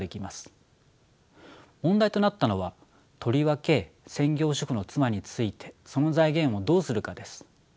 問題となったのはとりわけ専業主婦の妻についてその財源をどうするかです。